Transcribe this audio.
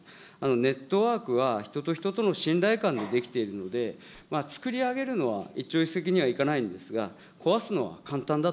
ネットワークは、人と人との信頼感で出来ているので、つくり上げるのは一朝一夕にはいかないんですが、壊すのは簡単だ